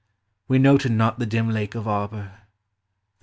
) We noted not the dim lake of Auber (Though.